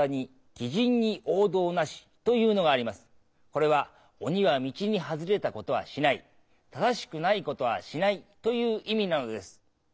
これは鬼は道に外れたことはしない正しくないことはしないという意味なのです。